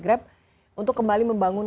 grab untuk kembali membangun